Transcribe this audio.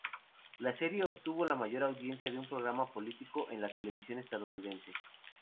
La serie obtuvo la mayor audiencia de un programa político en la televisión estadounidense.